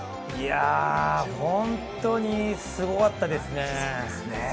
本当にすごかったですね。